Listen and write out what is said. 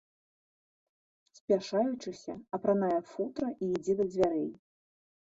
Спяшаючыся, апранае футра і ідзе да дзвярэй.